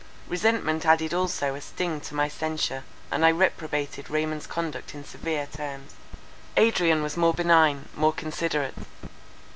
Resentment added also a sting to my censure; and I reprobated Raymond's conduct in severe terms. Adrian was more benign, more considerate.